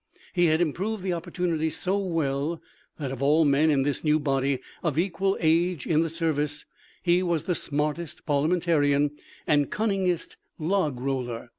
He had improved the opportunity so well that of all men in this new body, of equal age in the service, he was the smartest parliamentarian and cunningest ' log roller.'